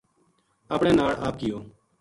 اپنے ناڑ آپ کیو